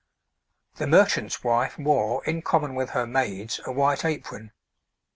The merchant's wife wore, in common with her maids, a white apron.